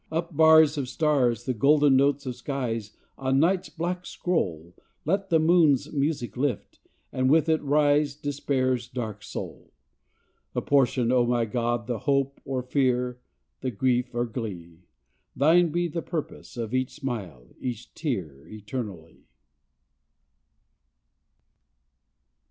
Up bars of stars, the golden notes of skies, On night's black scroll Let the moon's music lift, and with it rise Despair's dark soul. Apportion, O my God, the hope or fear, The grief or glee! Thine be the purpose of each smile, each tear Eternally.